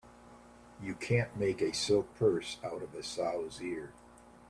You can't make a silk purse out of a sow's ear.